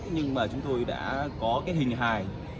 nhưng mà chúng tôi đã có cái hình hài